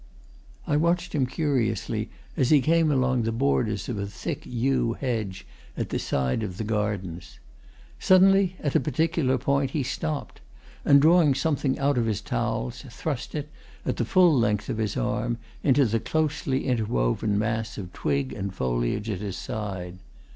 I watched him curiously as he came along the borders of a thick yew hedge at the side of the gardens. Suddenly, at a particular point, he stopped, and drawing something out of his towels, thrust it, at the full length of his arm, into the closely interwoven mass of twig and foliage at his side.